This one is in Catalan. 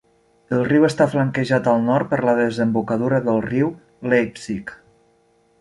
El riu està flanquejat al nord per la desembocadura del riu Leipsic.